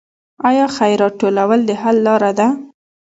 آیا خیرات ټولول د حل لاره ده؟